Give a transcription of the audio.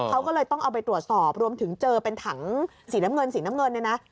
เขาก็เลยต้องเอาไปตรวจสอบรวมถึงเจอเป็นถังสีน้ำเงินนี่นะ